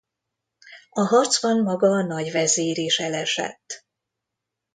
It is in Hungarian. A harcban maga a nagyvezír is elesett.